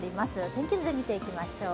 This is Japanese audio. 天気図で見ていきましょう。